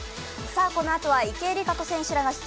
このあとは池江璃花子選手らが出